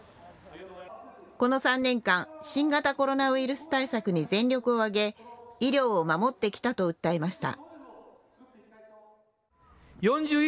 この３年間、新型コロナウイルス対策に全力を挙げ、医療を守ってきたと訴えました。